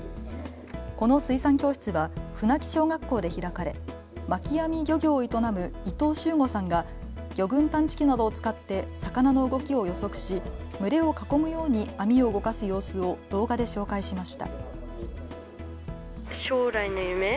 この水産教室は船木小学校で開かれ、巻き網漁業を営む伊東秀悟さんが魚群探知機などを使って魚の動きを予測し群れを囲むように網を動かす様子を動画で紹介しました。